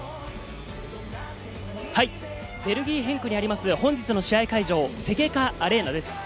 ベルギー・ゲンクにある本日の試合会場、セゲカ・アレーナです。